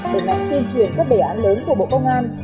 đẩy mạnh tuyên truyền các đề án lớn của bộ công an